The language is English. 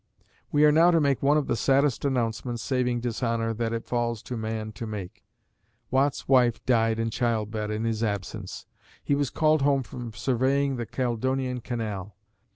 We are now to make one of the saddest announcements saving dishonor that it falls to man to make. Watt's wife died in childbed in his absence. He was called home from surveying the Caledonian Canal.